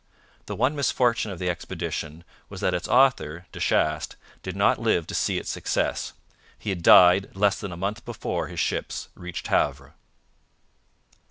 The one misfortune of the expedition was that its author, De Chastes, did not live to see its success. He had died less than a month before his ships reached Havre.